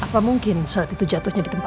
dan berselak presiding